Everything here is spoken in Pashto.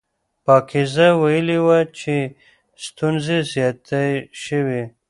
پاکیزه ویلي وو چې ستونزې زیاتې شوې.